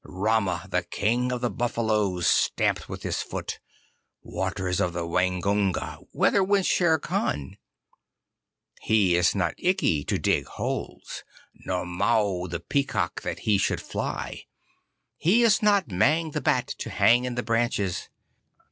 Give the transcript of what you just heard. Rama, the King of the Buffaloes, stamped with his foot. Waters of the Waingunga, whither went Shere Khan? He is not Ikki to dig holes, nor Mao, the Peacock, that he should fly. He is not Mang the Bat, to hang in the branches.